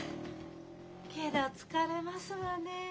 けど疲れますわねえ。